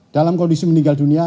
dalam kondisi meninggal dunia